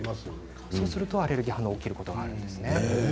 そうするとアレルギー反応が起きることがあるんです。